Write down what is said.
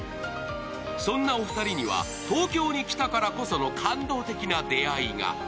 そんなお二人には東京に来たからこその感動的な出会いが。